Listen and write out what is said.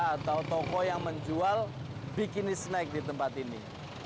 atau toko yang menjual bikini snack di tempat ini